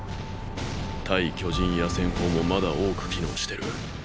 対巨人野戦砲もまだ多く機能してる。